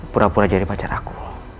pura pura jadi pacar aku